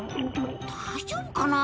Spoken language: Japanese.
大丈夫かな？